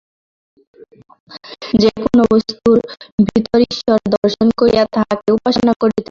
যে-কোন বস্তুর ভিতর ঈশ্বর দর্শন করিয়া তাঁহাকে উপাসনা করিতে পারেন।